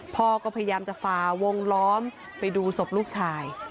พ่อก็พยายามจะฝ่าวงล้อมไปดูศพลูกชาย